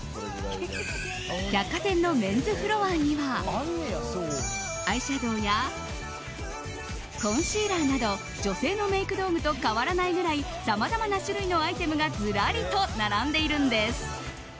百貨店のメンズフロアにはアイシャドーやコンシーラーなど女性のメイク道具と変わらないぐらいさまざまな種類のアイテムがずらりと並んでいるんです。